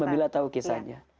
kan babila tahu kisahnya